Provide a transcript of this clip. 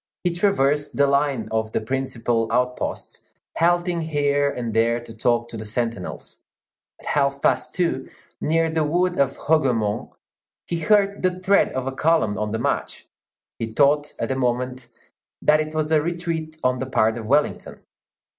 He traversed the line of the principal outposts, halting here and there to talk to the sentinels. At half past two, near the wood of Hougomont, he heard the tread of a column on the march; he thought at the moment that it was a retreat on the part of Wellington.